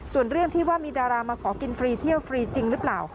ส่วนเรื่องที่ว่ามีดารามาขอกินฟรีเที่ยวฟรีจริงหรือเปล่า